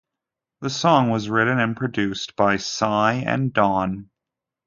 The song was written and produced by Psy and Dawn.